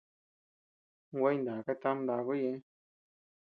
Gua jinaka tama ndakuu ñeʼe.